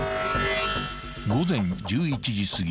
［午前１１時すぎ］